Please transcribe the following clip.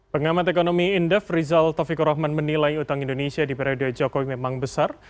pengamat ekonomi indef rizal taufikur rahman menilai utang indonesia di periode jokowi memang besar